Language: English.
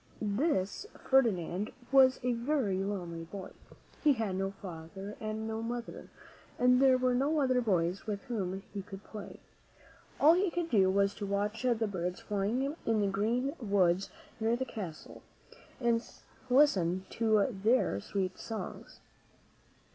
This Ferdinand was a very lonely boy. He had no father and no mother, and there were no other boys with whom he could play. All he could do was to watch the birds flying in the green woods near the castle, and listen to their sweet songs.